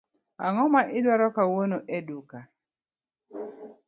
Ango ma idwaro kawuono e duka?